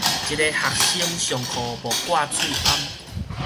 一个學生上課無掛喙罨